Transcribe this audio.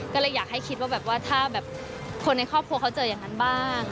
ก็เลยอยากให้คิดว่าแบบว่าถ้าแบบคนในครอบครัวเขาเจออย่างนั้นบ้าง